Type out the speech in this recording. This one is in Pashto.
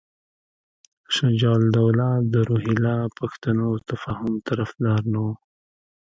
شجاع الدوله د روهیله پښتنو تفاهم طرفدار نه وو.